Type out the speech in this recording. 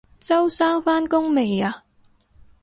周生返工未啊？